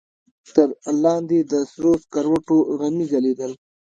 تر لاندې د سرو سکروټو غمي ځلېدل.